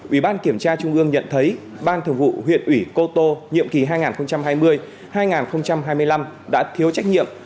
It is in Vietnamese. ủy ban kiểm tra trung ương nhận thấy ban thường vụ huyện ủy cô tô nhiệm kỳ hai nghìn hai mươi hai nghìn hai mươi năm đã thiếu trách nhiệm